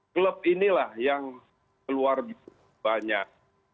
klub inilah yang keluar banyak